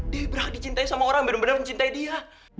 dewi berhak dicintai sama orang yang bener bener mencintai dia